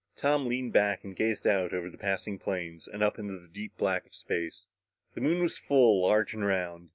Tom leaned back and gazed out over the passing plains and up into the deep black of space. The Moon was full, large and round.